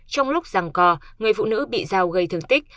trong lúc răng co người phụ nữ bị giao gây thương tích